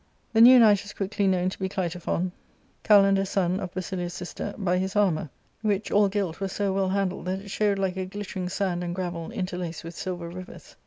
The new knight was quickly known to be ^hto^on. ARCADIA.— Book t 67 Kalander^s son of Basilius' sister, by his armour, ivhich, all gilt, was so well handled that it showed like a glittering sand and gravel interlaced with silver rivers.